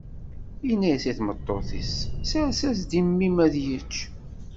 Yenna-as i tmeṭṭut-is: Sers-as-d i mmi-m ad yečč.